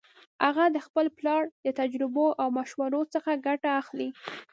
هغه د خپل پلار د تجربو او مشورو څخه ګټه اخلي